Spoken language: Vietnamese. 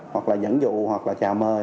hoặc là dẫn dụ hoặc là chào mời